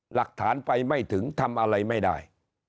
หลักฐานไปไม่ถึงทำอะไรไม่ได้